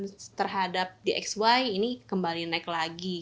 tentu permintaan terhadap di x y ini kembali naik lagi